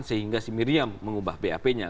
sehingga si miriam mengubah bap nya